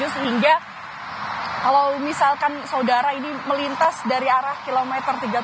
sehingga kalau misalkan saudara ini melintas dari arah kilometer tiga puluh